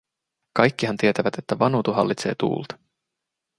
Kaikkihan tietävät, että Vanutu hallitsee tuulta!"